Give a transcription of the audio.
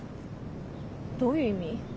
どういう意味？